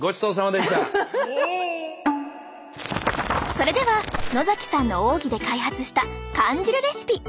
それでは野さんの奥義で開発した缶汁レシピ。